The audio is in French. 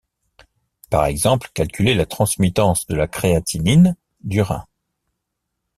Par exemple calculer la transmittance de la créatinine du rein.